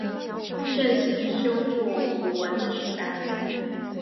盛行修筑古坟的时代。